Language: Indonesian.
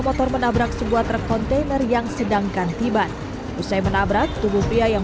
motor menabrak sebuah truk kontainer yang sedangkan tiba usai menabrak tubuh pria yang